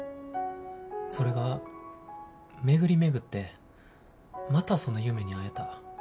それが巡り巡ってまたその夢に会えた。